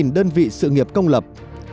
năm mươi tám đơn vị sự nghiệp công lập